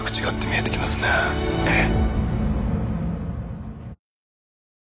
ええ。